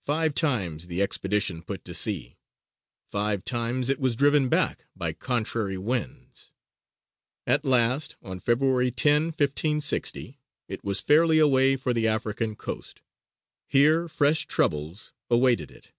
Five times the expedition put to sea; five times was it driven back by contrary winds. At last, on February 10, 1560, it was fairly away for the African coast. Here fresh troubles awaited it.